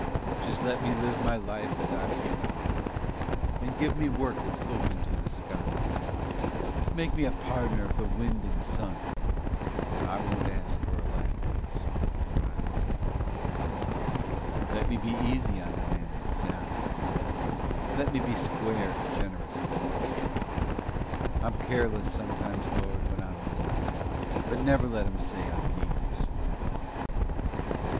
Just let me live my life as I've begun And give me work that's open to the sky; Make me a pardner of the wind and sun, And I won't ask a life that's soft or high. Let me be easy on the man that's down; Let me be square and generous with all. I'm careless sometimes, Lord, when I'm in town, But never let 'em say I'm mean or small!